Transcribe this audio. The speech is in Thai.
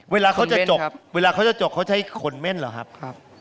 เวลาเขาจะจบเวลาเขาจะจบเขาใช้คนเม่นเหรอครับ